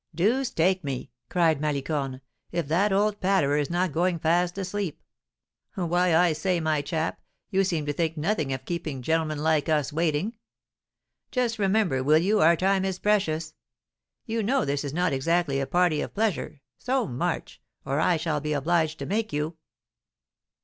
"Deuce take me," cried Malicorne, "if that old patterer is not going fast asleep! Why, I say, my chap, you seem to think nothing of keeping gen'l'men like us waiting; just remember, will you, our time is precious! You know this is not exactly a party of pleasure, so march, or I shall be obliged to make you."